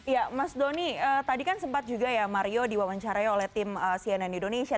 ya mas doni tadi kan sempat juga ya mario diwawancarai oleh tim cnn indonesia